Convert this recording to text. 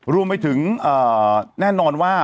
รวมไปถึงแน่นอนว่า